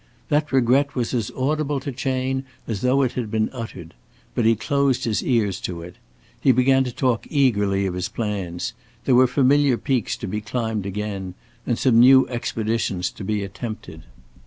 That regret was as audible to Chayne as though it had been uttered. But he closed his ears to it. He began to talk eagerly of his plans. There were familiar peaks to be climbed again and some new expeditions to be attempted.